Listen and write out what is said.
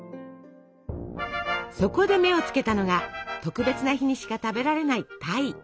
そこで目を付けたのが特別な日にしか食べられない鯛。